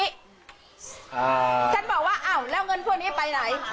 ฉันบอกว่าอ้าวแล้วเงินพวกนี้ไปไหน